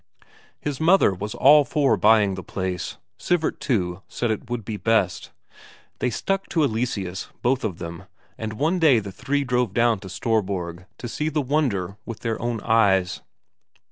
His mother was all for buying the place; Sivert, too, said it would be best. They stuck to Eleseus both of them, and one day the three drove down to Storborg to see the wonder with their own eyes.